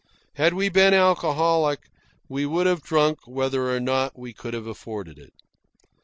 Had we been alcoholic, we would have drunk whether or not we could have afforded it.